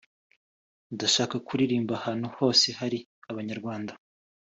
ndashaka kuririmbira ahantu hose hari Abanyarwanda